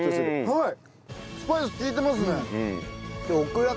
はい。